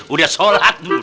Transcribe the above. udah sholat lu